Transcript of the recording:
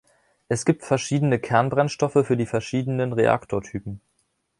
Es gibt verschiedene Kernbrennstoffe für die verschiedenen Reaktortypen.